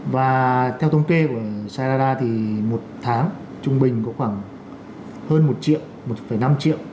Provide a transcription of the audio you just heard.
và theo thông kê của sarada thì một tháng trung bình có khoảng hơn một triệu một năm triệu